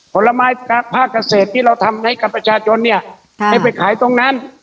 ผลไม้ภาคเกษตรที่เราทำให้กับประชาชนเนี่ยให้ไปขายตรงนั้น